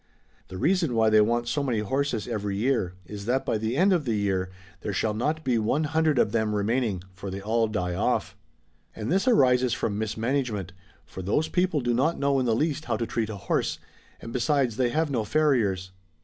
Tiie reason why they want so many horses every year is that bv the iiid of tlic \ear there sliall not be one Chap. XVII. THE PROVINCE OF MAABAR. 277 hundred of them remaining, for they all die off. And this arises from mismanagement, for those people do not know in the least how to treat a horse ; and besides they have no farriers.